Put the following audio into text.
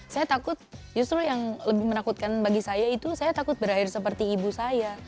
saya takut justru yang lebih menakutkan bagi saya itu saya takut berakhir seperti ibu saya